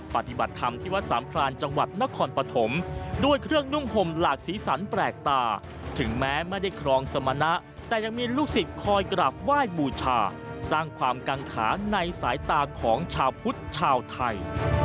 ปฏิบัติธรรมที่วัดสามพรานจังหวัดนครปฐมด้วยเครื่องนุ่งห่มหลากสีสันแปลกตาถึงแม้ไม่ได้ครองสมณะแต่ยังมีลูกศิษย์คอยกราบไหว้บูชาสร้างความกังขาในสายตาของชาวพุทธชาวไทย